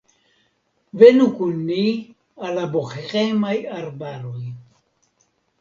Venu kun ni al la bohemaj arbaroj!